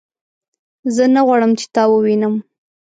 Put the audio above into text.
زه نه غواړم چې تا ووینم